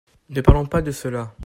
Ne parlons pas de cela !